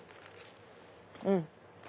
うん！